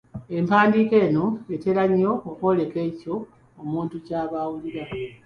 Empandiika eno etera nnyo okwoleka ekyo omuntu ky'aba awulira.